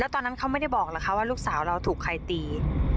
ตอนนั้นเขาไม่ได้บอกเหรอคะว่าลูกสาวเราถูกใครตี